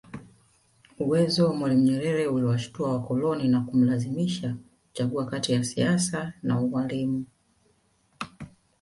Uwezo wa Nyerere uliwashitua wakoloni na kumlazimisha kuchagua kati ya siasa na ualimu